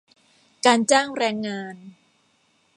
การจ้างแรงงาน